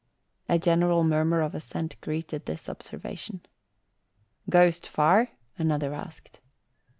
A general murmur of assent greeted this observation. "Goest far?" another asked.